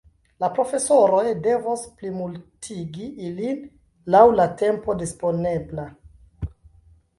La profesoroj devos plimultigi ilin laŭ la tempo disponebla.